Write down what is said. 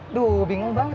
aduh bingung banget